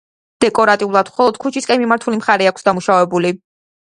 დეკორატიულად მხოლოდ ქუჩისკენ მიმართული მხარე აქვს დამუშავებული.